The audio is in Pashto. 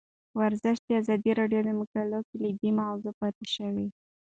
ورزش د ازادي راډیو د مقالو کلیدي موضوع پاتې شوی.